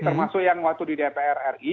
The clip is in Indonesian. termasuk yang waktu di dpr ri